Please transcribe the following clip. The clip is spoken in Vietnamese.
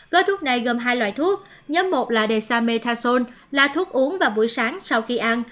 gói thuốc này gồm hai loại thuốc nhóm một là desa metason là thuốc uống vào buổi sáng sau khi ăn